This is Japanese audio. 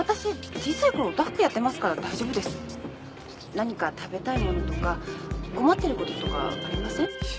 何か食べたい物とか困ってることとかありません？